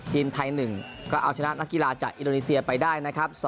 ทีมไทย๑ก็เอาชนะนักกีฬาจากอินโดนีเซียไปได้นะครับ